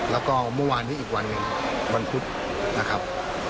แล้วก็เมื่อวานนี้อีกวันหนึ่งวันพุธนะครับ